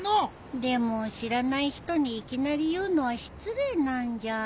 でも知らない人にいきなり言うのは失礼なんじゃ。